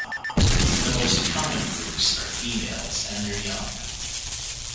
The most common groups are females and their young.